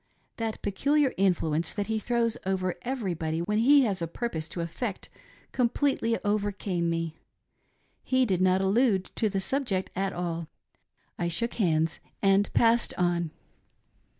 That peculia. iniluence that he tijrows over everybody when he has a purpose to effect com. pletely overcame me. He did not allude to the subject at all. I shook handi and passed on.